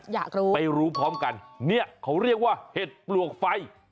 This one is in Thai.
อยากรู้ไปรู้พร้อมกันเนี่ยเขาเรียกว่าเห็ดปลวกไฟ